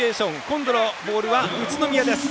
今度のボールは宇都宮です。